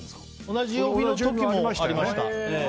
同じ曜日の時もありましたよね。